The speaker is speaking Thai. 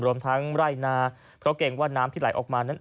รวมทั้งไร่นาเพราะเกรงว่าน้ำที่ไหลออกมานั้น